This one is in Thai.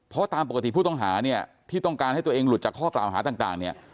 เพราะตามปกติผู้ต้องหาเนี่ยที่ต้องการให้ตัวเองหลุดจากข้อกล่าวหาต่างเนี่ย